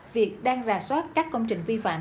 việc đang rà soát các công trình vi phạm